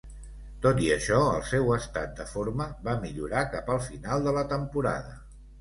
Tot i això, el seu estat de forma va millorar cap al final de la temporada.